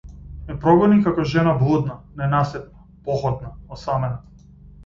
Ме прогони како жена блудна, ненаситна, похотна, осамена.